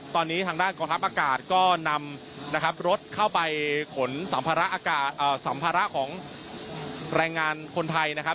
ตอนนี้ทางด้านกองทัพอากาศก็นำนะครับรถเข้าไปขนสัมภาระของแรงงานคนไทยนะครับ